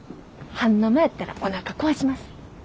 半生やったらおなか壊します。